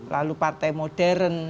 lalu partai moden